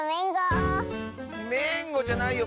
「めんご」じゃないよ。